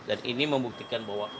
dan ini membuktikan bahwa